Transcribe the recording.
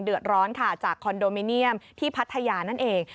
เดือดร้อนค่ะจากคอนโดมิเนียมที่พัทยานั่นเอง